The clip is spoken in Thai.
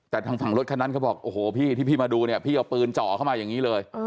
แต่ทางฝั่งรถคนนั้นเขาบอกที่พี่มาดูพี่เอาปืนเจาะเข้ามาอย่างนี้เลย